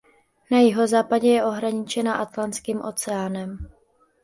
Na jihozápadě je ohraničena Atlantským oceánem.